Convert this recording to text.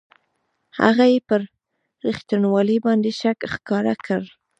هغه یې پر رښتینوالي باندې شک ښکاره کړ.